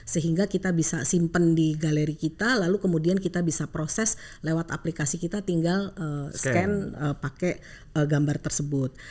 sehingga kita bisa simpen di galeri kita lalu kemudian kita bisa proses lewat aplikasi kita tinggal scan pakai gambar tersebut